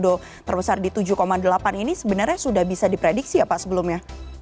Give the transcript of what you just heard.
udo terbesar di tujuh delapan ini sebenarnya sudah bisa diprediksi apa sebelumnya